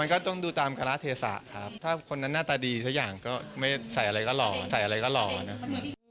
ก็ต้องดูตามการาเทศะครับถ้าคนนั้นหน้าตาดีสักอย่างก็ไม่ใส่อะไรก็หล่อใส่อะไรก็หล่อนะ